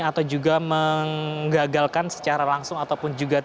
atau juga menggagalkan secara langsung ataupun juga